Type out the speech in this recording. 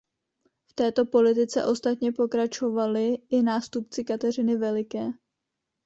V této politice ostatně pokračovali i nástupci Kateřiny Veliké.